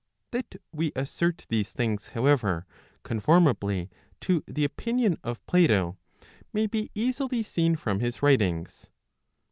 That we assert these things however, conformably to the opinion of Plato, may be easily seen from his writings.